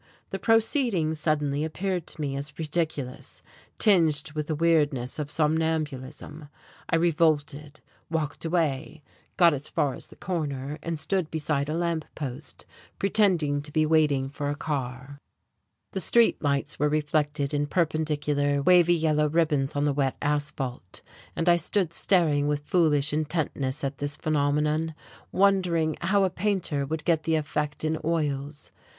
The proceeding suddenly appeared to me as ridiculous, tinged with the weirdness of somnambulism. I revolted, walked away, got as far as the corner and stood beside a lamp post, pretending to be waiting for a car. The street lights were reflected in perpendicular, wavy yellow ribbons on the wet asphalt, and I stood staring with foolish intentness at this phenomenon, wondering how a painter would get the effect in oils.